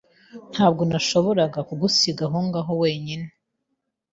Ntabwo nashoboraga kugusiga aho ngaho wenyine.